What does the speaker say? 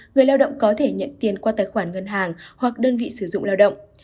người lao động có thể nhận tiền qua tài khoản ngân hàng hoặc đơn vị sử dụng lao động